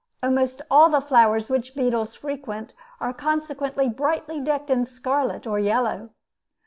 Almost all the flowers which beetles frequent are consequently brightly decked in scarlet or yellow.